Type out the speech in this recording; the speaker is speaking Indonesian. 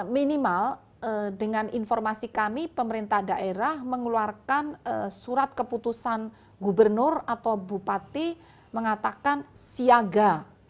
minimal dengan informasi kami pemerintah daerah mengeluarkan surat keputusan gubernur atau bupati mengatakan siaga